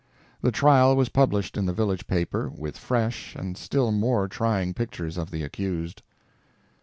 The trial was published in the village paper, with fresh and still more trying pictures of the accused.